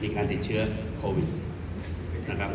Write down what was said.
การติดเชื้อโควิดนะครับ